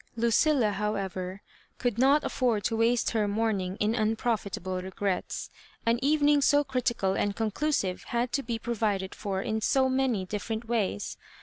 Lucilla, however, could not afford to waste her morning in unprofitable regrets. An evening so critical and conclusive had to be provided for in many different ways.